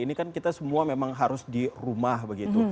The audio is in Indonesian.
ini kan kita semua memang harus di rumah begitu